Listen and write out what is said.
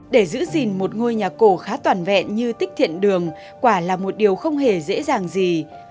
để giữ gìn một ngôi nhà cổ khá toàn vẹn như tích thiện đường quả là một điều không hề dễ dàng gì